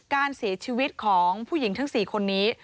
การเสียชีวิตของผู้หญิงทั้ง๔คนนี้